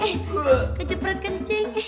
eh kaceprot kencing